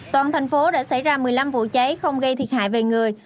toàn thành phố đã xảy ra một mươi năm vụ cháy không gây thiệt hại về người